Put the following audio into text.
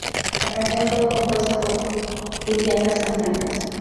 La canción fue compuesta por Julian Casablancas.